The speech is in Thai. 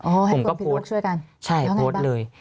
โอ้ให้คนพิษณุโลกช่วยกันแล้วไหนบ้างผมก็โพสต์ใช่โพสต์เลย